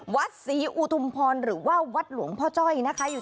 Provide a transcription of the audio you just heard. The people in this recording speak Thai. วัดศรีอุทุมพรหรือว่าวัดหลวงพ่อจ้อยนะคะ